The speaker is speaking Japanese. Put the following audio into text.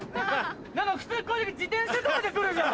普通こういう時自転車とかで来るじゃん！